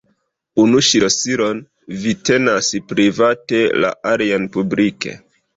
Unu ŝlosilon vi tenas private, la alian publike.